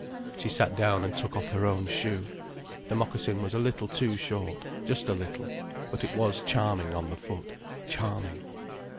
She sat down and took off her own shoe. The moccasin was a little too short—just a little. But it was charming on the foot, charming.